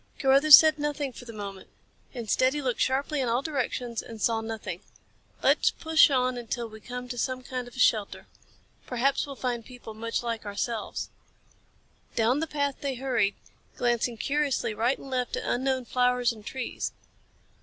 Carruthers said nothing for the moment. Instead, he looked sharply in all directions and saw nothing. "Let's push on till we come to some kind of a shelter. Perhaps we'll find people much like ourselves." Down the path they hurried, glancing curiously right and left at unknown flowers and trees.